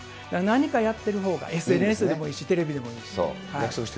何かやってるほうが、ＳＮＳでもいいし、テレビでもいいし。